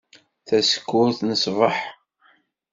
Tasekkurt n ṣbeḥ.